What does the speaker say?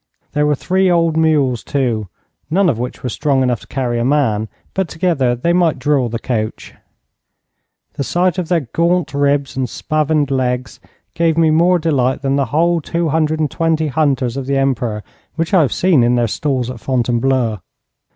There were three old mules, too, none of which were strong enough to carry a man, but together they might draw the coach. The sight of their gaunt ribs and spavined legs gave me more delight than the whole two hundred and twenty hunters of the Emperor which I have seen in their stalls at Fontainebleau.